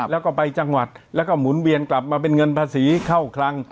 แล้วก็ไปจังหวัดแล้วก็หมุนเวียนกลับมาเป็นเงินภาษีเข้าคลัง